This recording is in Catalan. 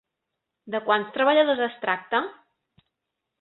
De quants treballadors es tracta?